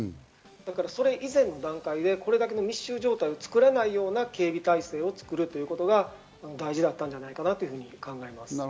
それ以前の段階で、これだけの密集状態を作らない警備態勢を作ることが大事だったんじゃないかなと考えます。